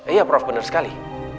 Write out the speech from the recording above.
iya prof bener sekali